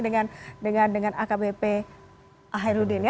dengan akbp ahirudin